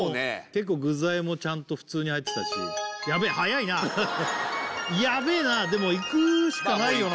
結構具材もちゃんと普通に入ってたしヤベえはやいなヤベえなでもいくしかないよな